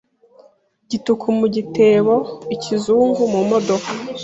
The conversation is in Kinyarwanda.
Gituku mu giteboIkizungu mu modoka